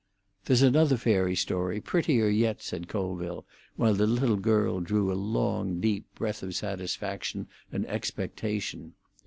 "There's another fairy story, prettier yet," said Colville, while the little girl drew a long deep breath of satisfaction and expectation.